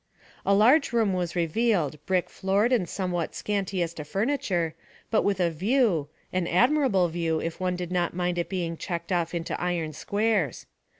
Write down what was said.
A large room was revealed, brick floored and somewhat scanty as to furniture, but with a view an admirable view, if one did not mind it being checked off into iron squares.